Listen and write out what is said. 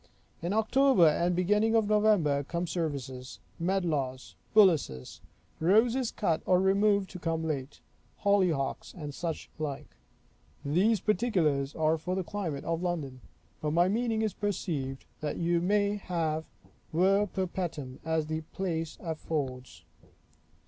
In October and the beginning of November come services; medlars; bullaces; roses cut or removed to come late; hollyhocks; and such like. These particulars are for the climate of London; but my meaning is perceived, that you may have ver perpetuum, as the place affords.